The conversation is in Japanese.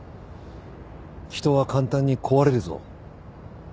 人は簡単に壊れるぞ。